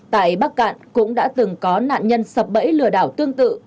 tại bắc cạn cũng đã từng có nạn nhân sập bẫy lừa đảo tương tự